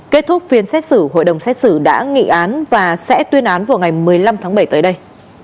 kết thúc phiên xét xử hội đồng xét xử đã nghị án và sẽ tuyên án vào ngày một mươi năm tháng bảy tới đây